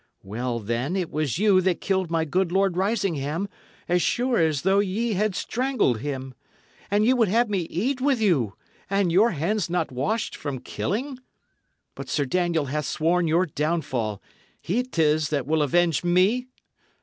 Well, then, it was you that killed my good Lord Risingham, as sure as though ye had strangled him. And ye would have me eat with you and your hands not washed from killing? But Sir Daniel hath sworn your downfall. He 'tis that will avenge me!"